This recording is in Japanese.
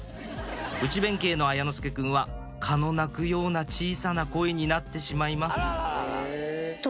内弁慶の綾之介くんは蚊の鳴くような小さな声になってしまいます